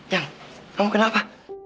yang kamu kenapa